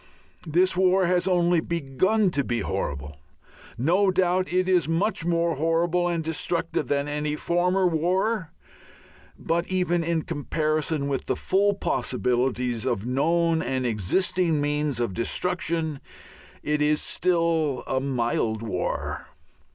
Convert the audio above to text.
This war has only begun to be horrible. No doubt it is much more horrible and destructive than any former war, but even in comparison with the full possibilities of known and existing means of destruction it is still a mild war.